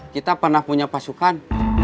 kita pernah punya pasukan